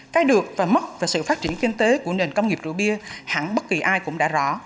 cái được và mất về sự phát triển kinh tế của nền công nghiệp rượu bia hẳn bất kỳ ai cũng đã rõ